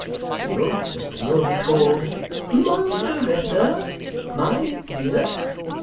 So, Mr Milvey called, 'Margaretta, my dear!